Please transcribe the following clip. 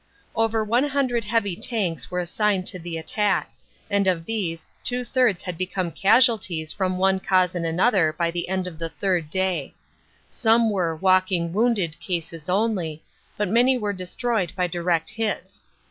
Over one hundred heavy tanks were assigned to the attack, 90 CANADA S HUNDRED DAYS and of these two thirds had become casualties from one cause and another by the end of the third day. Some were "walk ing wounded" cases only, but many were destroyed by direct hits.